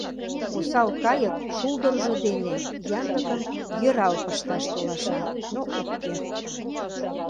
Осал кайык шулдыржо дене янлыкым йӧрал пышташ толаша, но ок керт.